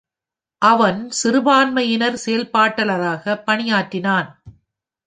அவன் சிறுபான்மையினர் செயல்பாட்டாளராக பணியாற்றினான்.